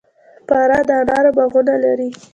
فراه د انارو باغونه لري